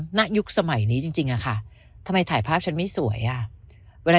หน้ายุคสมัยนี้จริงค่ะทำไมถ่ายภาพฉันไม่สวยอ่ะเวลา